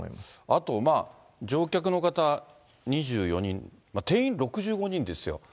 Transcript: あと乗客の方２４人、定員６５人ですよ。